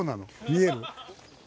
見える？